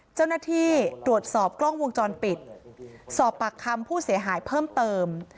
เจ้าหน้าที่ตรวจสอบกล้องวงจรปิดสอบปากคำผู้เสียหายเพิ่มเติม